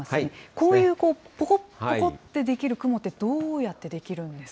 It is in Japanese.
こういう、ぽこっ、ぽこって出来る雲ってどうやって出来るんですか。